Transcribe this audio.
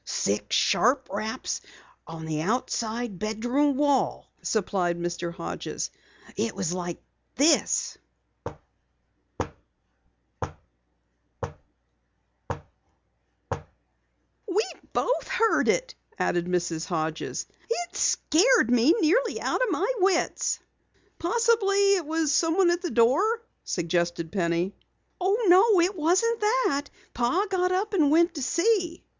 "Six sharp raps on the outside bedroom wall," supplied Mr. Hodges. "It was like this." He demonstrated on the table. "We both heard it," added Mrs. Hodges. "It scared me nearly out of my wits." "Possibly it was someone at the door," suggested Penny. "No, it wasn't that. Pa got up and went to see."